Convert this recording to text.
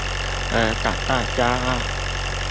而感到驕傲